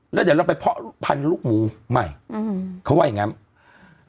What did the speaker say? แล้วเดี๋ยวเราไปเพาะพันธุ์ลูกหมูใหม่อืมเขาว่าอย่างงั้น